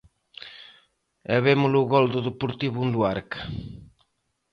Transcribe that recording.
E vemos o gol do Deportivo en Luarca.